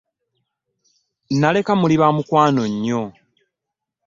Naleka muli baamukwano nnyo.